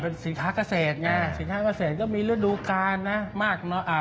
เป็นสินค้าเกษตรสินค้าเกษตรก็มีฤดูกราน